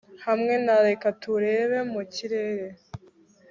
hamwe na, 'reka turebe mu kirere